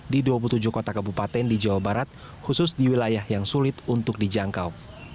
di dua puluh tujuh kota kabupaten di jawa barat khusus di wilayah yang sulit untuk dijangkau